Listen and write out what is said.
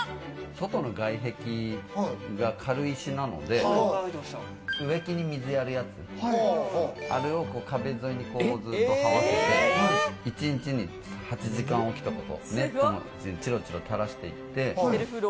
外の外壁が軽石なので植木に水やるやつ、あれを壁沿いにずっと這わせて、１日に８時間おきとか、チロチロたらしていって。